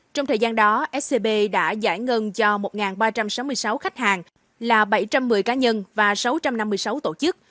trong thời gian đó scb đã giải ngân cho một ba trăm sáu mươi sáu khách hàng là bảy trăm một mươi cá nhân và sáu trăm năm mươi sáu tổ chức